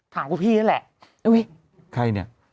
ถามพวกพี่ก็แหละ